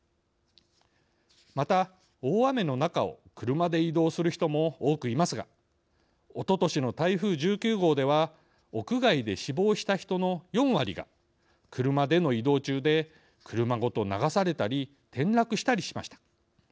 また大雨の中を車で移動する人も多くいますがおととしの台風１９号では屋外で死亡した人の４割が車での移動中で車ごと流されたり転落したりしました。